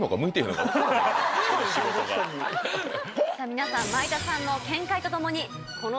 皆さん米田さんの見解とともに。